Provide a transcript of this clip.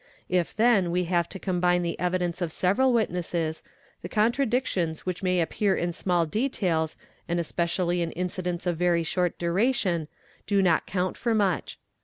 If then we have to combine the evidence of several witnesses, the contradic tions which may appear in small details and especially in incidents of very short duration, do not count for much.